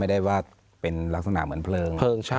ได้ว่าเป็นลักษณะเหมือนเพลิง